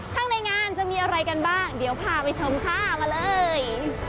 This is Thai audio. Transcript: ข้างในงานจะมีอะไรกันบ้างเดี๋ยวพาไปชมค่ะมาเลย